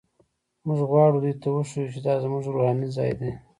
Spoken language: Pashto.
موږ غواړو دوی ته وښیو چې دا زموږ روحاني ځای دی.